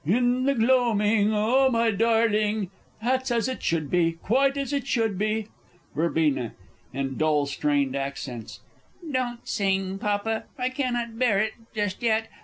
_) "In the gloaming, oh, my darling!" that's as it should be quite as it should be! Verb. (in dull strained accents). Don't sing, Papa, I cannot bear it just yet.